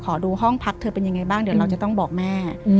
ดูห้องพักเธอเป็นยังไงบ้างเดี๋ยวเราจะต้องบอกแม่